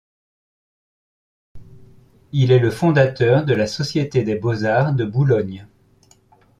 Il est le fondateur de la Société des Beaux-Arts de Boulogne.